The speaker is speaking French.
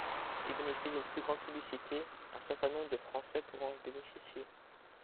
S’il bénéficie d’une plus grande publicité, un certain nombre de Français pourront en bénéficier.